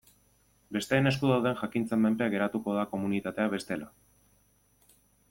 Besteen esku dauden jakintzen menpe geratuko da komunitatea bestela.